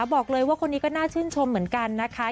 บอกเลยว่าคนนี้ก็น่าชื่นชมเหมือนกันนะคะ